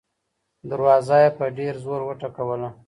دروازه يې په ډېر زور وټکوله.